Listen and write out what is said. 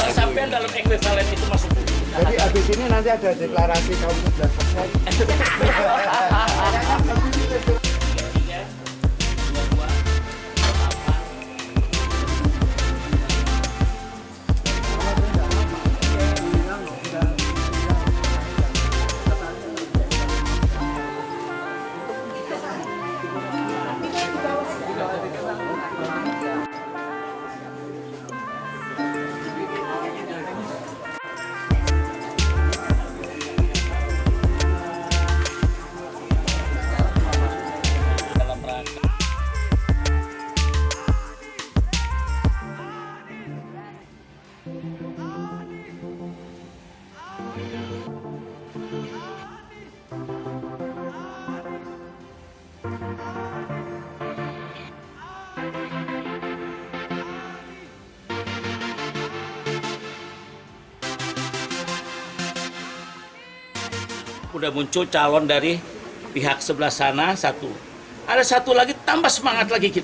sampai dalam english talent itu masuk